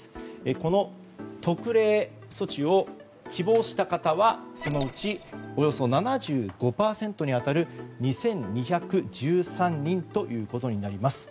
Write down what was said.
この特例措置を希望した方はそのうち、およそ７５％に当たる２２１３人になります。